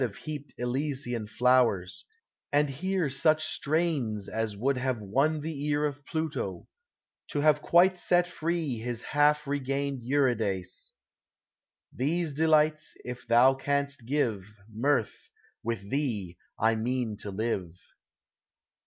Of heaped Elysian flowers, and hear Such strains as would have won the ear Of Pluto, to have quite set free His half regained Eurydice. These delights if thou canst give, Mirth, with thee I mean to live.